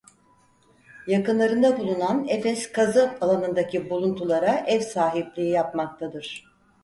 Yakınlarında bulunan Efes kazı alanındaki buluntulara ev sahipliği yapmaktadır.